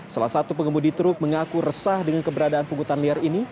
salah satu pengemudi truk mengaku resah dengan keberadaan pungutan liar ini